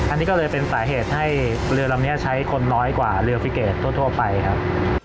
อันนี้ก็เลยเป็นสาเหตุให้เรือลำนี้ใช้คนน้อยกว่าเรือฟิเกจทั่วไปครับ